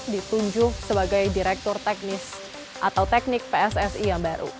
ditunjuk sebagai direktur teknis atau teknik pssi yang baru